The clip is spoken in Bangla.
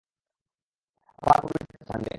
আমার প্রভিডেন্ট ফান্ডে!